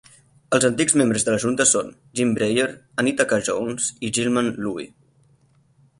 Els antics membres de la junta són Jim Breyer, Anita K. Jones i Gilman Louie.